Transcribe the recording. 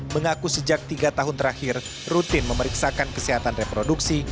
mengaku sejak tiga tahun terakhir rutin memeriksakan kesehatan reproduksi